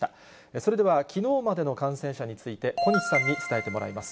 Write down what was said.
それでは、きのうまでの感染者について、小西さんに伝えてもらいます。